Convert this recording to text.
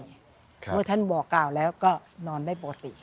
ครับเพราะว่าท่านบอกกล่าวแล้วก็นอนได้ปกติ